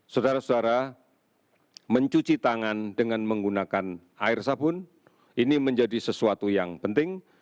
saudara saudara mencuci tangan dengan menggunakan air sabun ini menjadi sesuatu yang penting